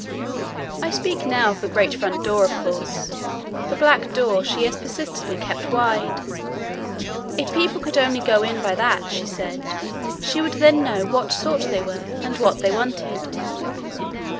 I speak now of the great front door, of course: the back door she as persistently kept wide: if people could only go in by that, she said, she would then know what sort they were, and what they wanted.